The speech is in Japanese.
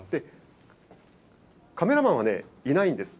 カメラマンはね、いないんです。